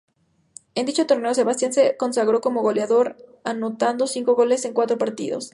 En dicho torneo, Sebastián se consagró como goleador, anotando cinco goles en cuatro partidos.